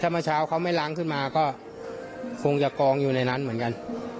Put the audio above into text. เมื่อเช้าเขาไม่ล้างขึ้นมาก็คงจะกองอยู่ในนั้นเหมือนกัน